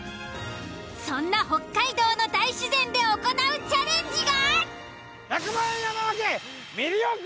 そんな北海道の大自然で行うチャレンジが。